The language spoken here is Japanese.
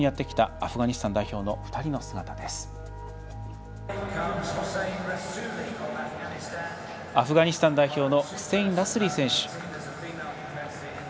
アフガニスタン代表のフセイン・ラスリ選手。